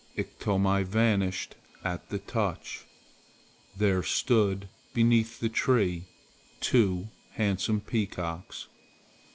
Iktomi vanished at the touch. There stood beneath the tree two handsome peacocks.